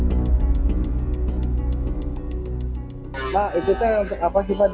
di indonesia kondisi kekacauan dan kekacauan yang berlaku selama tiga tahun setelah kembali kembali ke indonesia